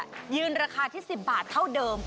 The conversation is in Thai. ยืนราคาที่๑๐บาทเท่าเดิม